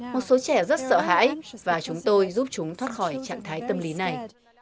một số trẻ rất sợ hãi và chúng tôi giúp chúng thoát khỏi trạng thái tâm lý này